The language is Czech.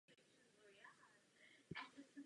Obec zanikla společně se stavbou hutě.